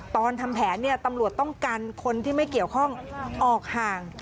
ตอนทำแผนตำรวจต้องกันคนที่ไม่เกี่ยวข้องออกห่าง